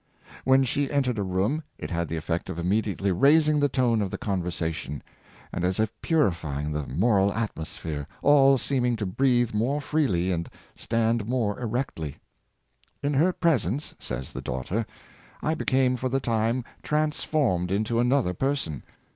When she entered a room it had the effect of immediately raising the tone of the conversation, and as if purifying the moral atmosphere Immortality of Hiwiaii Deeds, 589 — all seeming to breathe more freely and stand more erectly. " In her presence/' says the daughter, *^ I be came for the time transformed into another person."